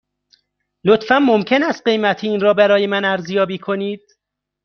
لطفاً ممکن است قیمت این را برای من ارزیابی کنید؟